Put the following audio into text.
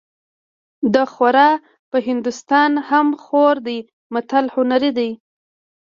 د خوار په هندوستان هم خوار دی متل هنري دی